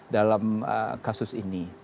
dalam kasus ini